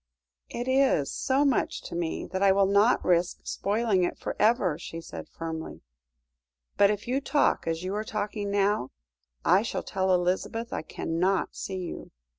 "It is so much to me that I will not risk spoiling it for ever," she said firmly; "but if you talk as you are talking now, I shall tell Elizabeth I cannot see you."